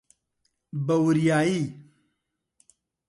بەوریایی!